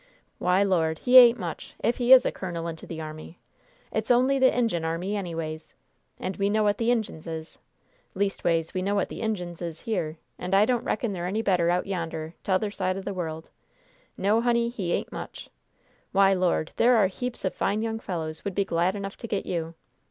Why, Lord, he ain't much, if he is a colonel into the army! It's only the Injun Army, anyways! And we know what the Injuns is! Leastways, we know what the Injuns is here, and I don't reckon they're any better out yonder, t'other side of the world! No, honey, he ain't much! Why, Lord, there are heaps of fine young fellows would be glad enough to get you!